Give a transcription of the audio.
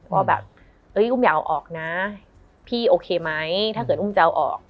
ว่าแบบเอ้ยอุ้มอย่าเอาออกนะพี่โอเคไหมถ้าเกิดอุ้มจะเอาออก